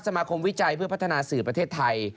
มาวิจัยเพื่อพัฒนาสื่อประเทศไทย